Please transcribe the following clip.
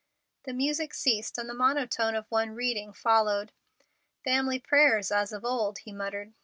The music ceased, and the monotone of one reading followed. "Family prayers as of old," he muttered.